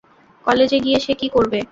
কলেজে গিয়ে সে কি করবে?